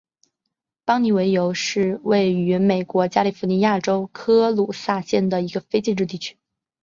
邦妮维尤是位于美国加利福尼亚州科卢萨县的一个非建制地区。